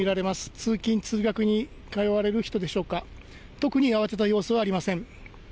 通勤・通学に通われる人でしょうか、特に慌てた様子はありません。